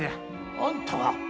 あんたが？